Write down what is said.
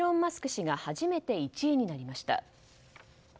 氏が初めて１位になりました。